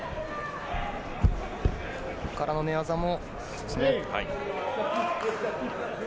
ここからの寝技も。